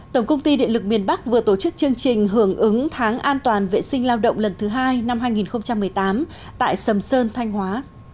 tổng công ty điện lực miền bắc vừa tổ chức chương trình hưởng ứng tháng an toàn vệ sinh lao động lần thứ hai năm hai nghìn một mươi tám tại sầm sơn thanh hóa